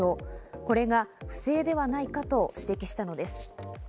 これが不正ではないかと指摘したのです。